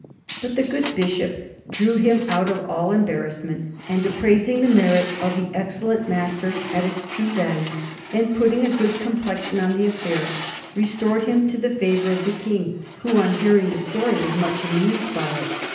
But the good Bishop drew him out of all embarrassment, and, appraising the merit of the excellent master at its true value, and putting a good complexion on the affair, restored him to the favour of the King, who, on hearing the story, was much amused by it.